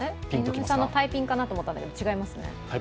井上さんのタイピンかなと思ったんですが、違いますね。